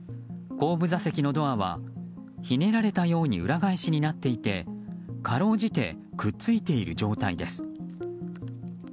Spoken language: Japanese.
後部座席のドアはひねられたように裏返しになっていてかろうじてくっついている状態です。